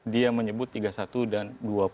dia menyebut tiga puluh satu dan dua puluh